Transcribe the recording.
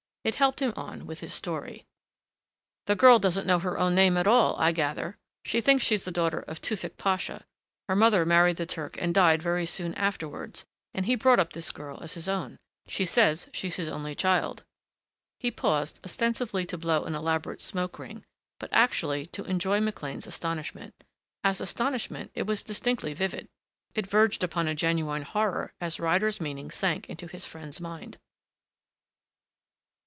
It helped him on with his story. "The girl doesn't know her own name at all, I gather. She thinks she's the daughter of Tewfick Pasha. Her mother married the Turk and died very soon afterwards and he brought up this girl as his own. She says she's his only child." He paused, ostensibly to blow an elaborate smoke ring, but actually to enjoy McLean's astonishment. As astonishment, it was distinctly vivid. It verged upon a genuine horror as Ryder's meaning sank into his friend's mind.